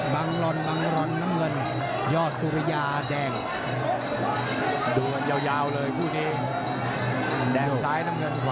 บังรอนบังรนน้ำเงินยอดสุรยาแดง